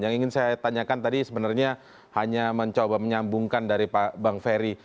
yang ingin saya tanyakan tadi sebenarnya hanya mencoba menyambungkan dari bang ferry